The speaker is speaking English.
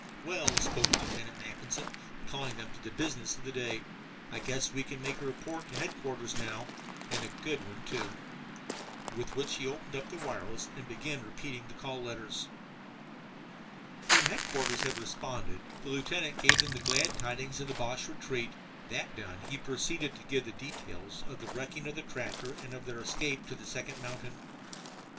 "Well," spoke Lieutenant Mackinson, calling them to the business of the day, "I guess we can make a report to headquarters now and a good one, too." With which he opened up the wireless and began repeating the call letters. When headquarters had responded, the lieutenant gave them the glad tidings of the Boche retreat. That done, he proceeded to give the details of the wrecking of the tractor and of their escape to the second mountain.